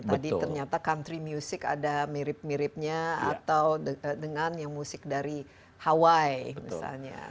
tadi ternyata country music ada mirip miripnya atau dengan yang musik dari hawaii misalnya